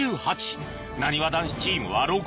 なにわ男子チームは６０